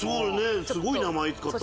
すごい名前使ったね。